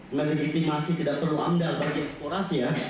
melegitimasi tidak perlu amdal bagi eksplorasi ya